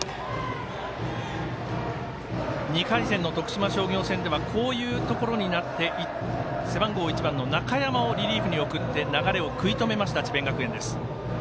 ２回戦の徳島商業戦ではこういうところになって背番号１番の中山をリリーフに送って流れを食い止めました、智弁学園。